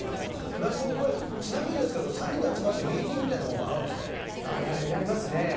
なるほど、これ、ちなみにですけれども、３人で集まってミーティングみたいなものはあるんでやりますね。